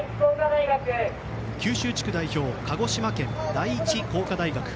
九州地区代表、鹿児島県第一工科大学。